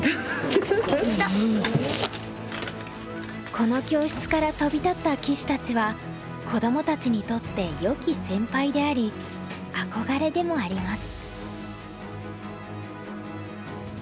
この教室から飛び立った棋士たちは子どもたちにとってよき先輩であり憧れでもあります。